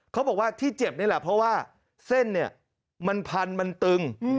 เขาบอกว่าที่เจ็บนี่แหละเพราะว่าเส้นเนี่ยมันพันมันตึง